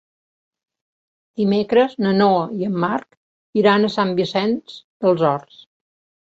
Dimecres na Noa i en Marc iran a Sant Vicenç dels Horts.